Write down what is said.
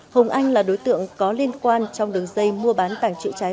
hùng anh là đối tượng có liên quan trong đường dây mua bán tàng trự trái